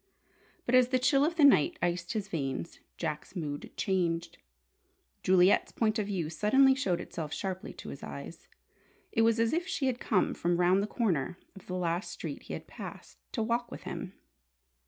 But as the chill of the night iced his veins, Jack's mood changed. Juliet's point of view suddenly showed itself sharply to his eyes. It was as if she had come from round the corner of the last street he had passed, to walk with him.